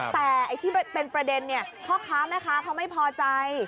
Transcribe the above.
แต่ที่เป็นประเด็นเนี่ยเค้าค้าแม่ค้าเค้าไม่พอใจ